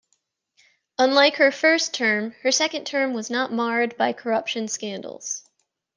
Unlike her first term, her second term was not marred by corruption scandals.